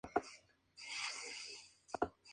En invierno la frente se vuelve blanca.